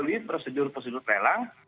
harus dilalui prosedur prosedur lelang